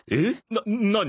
な何？